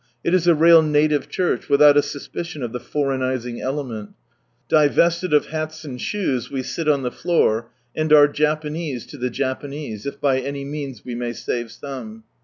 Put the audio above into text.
It is a real native church, without a suspicion of the foreignising element Divested of hats and shoes, we sit on the floor, and are Japanese to the Japanese, if by any means we may save some.